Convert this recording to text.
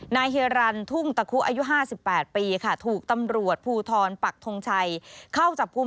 เฮียรันทุ่งตะคุอายุ๕๘ปีค่ะถูกตำรวจภูทรปักทงชัยเข้าจับกลุ่ม